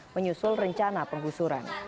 menyusul rencana penggusuran